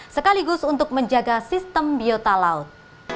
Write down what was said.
sekaligus untuk menjaga sistem biota laut